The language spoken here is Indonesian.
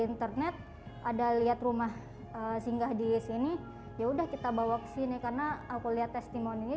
internet ada lihat rumah singgah di sini ya udah kita bawa ke sini karena aku lihat testimoninya